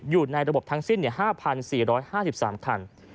อยู่ในระบบทั้งสิ้น๕๔๕๓คัน